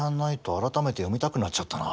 改めて読みたくなっちゃったな。